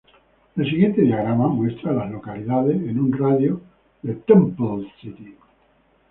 El siguiente diagrama muestra a las localidades en un radio de de Temple City.